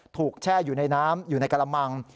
แช่อยู่ในน้ำอยู่ในกระมัง